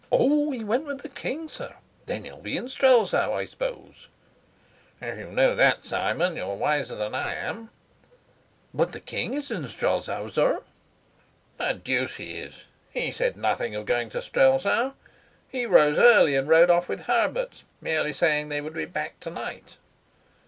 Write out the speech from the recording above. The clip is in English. "Oh, he went with the king, sir? Then he's in Strelsau, I suppose?" "If you know that, Simon, you're wiser than I am." "But the king is in Strelsau, sir." "The deuce he is! He said nothing of going to Strelsau. He rose early and rode off with Herbert, merely saying they would be back to night."